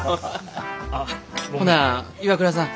ほな岩倉さん